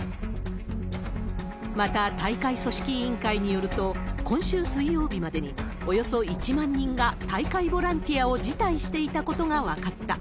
また、大会組織委員会によると、今週水曜日までに、およそ１万人が大会ボランティアを辞退していたことが分かった。